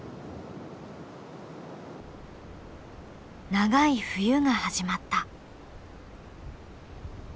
長い冬が始まった。